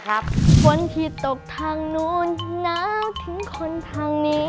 ขอบคุณครับ